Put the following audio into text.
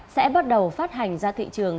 sẽ bắt đầu phát hành ra thị trường